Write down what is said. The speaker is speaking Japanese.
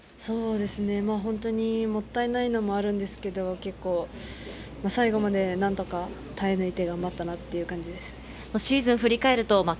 本当にもったいないのもあるんですけれど、結構、最後まで何とか耐え抜いて頑張ったなという感じです。